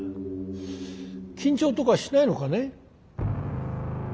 緊張とかしないのかね？